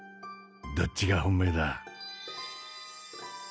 どっちが本命だ？